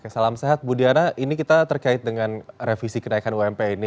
salam sehat bu diana ini kita terkait dengan revisi kenaikan ump ini